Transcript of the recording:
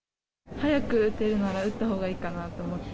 早く打てるなら打ったほうがいいかなと思って。